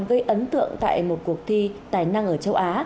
gây ấn tượng tại một cuộc thi tài năng ở châu á